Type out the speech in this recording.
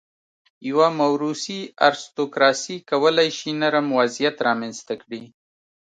یوه موروثي ارستوکراسي کولای شي نرم وضعیت رامنځته کړي.